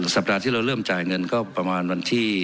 สัปดาห์ที่เราเริ่มจ่ายเงินก็ประมาณวันที่